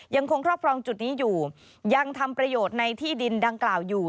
ยังคงครอบครองจุดนี้อยู่ยังทำประโยชน์ในที่ดินดังกล่าวอยู่